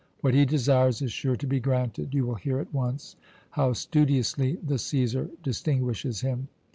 What he desires is sure to be granted. You will hear at once how studiously the Cæsar distinguishes him.